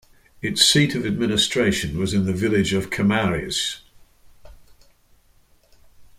Its seat of administration was in the village of Kamares.